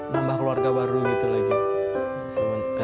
nambah keluarga baru gitu lagi